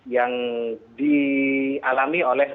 yang dialami oleh dprd